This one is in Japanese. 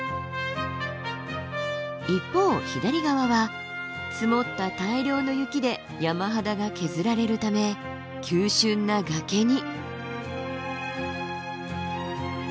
一方左側は積もった大量の雪で山肌が削られるため急峻な崖に。